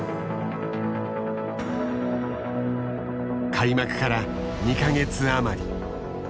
開幕から２か月余り。